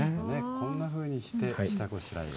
こんなふうにして下ごしらえを。